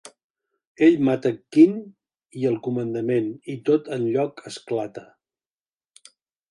Ell mata Quin i el comandament, i tot el lloc esclata.